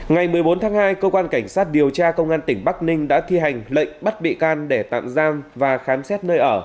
ngày một mươi bốn tháng hai cơ quan cảnh sát điều tra công an tỉnh bắc ninh đã thi hành lệnh bắt bị can để tạm giam và khám xét nơi ở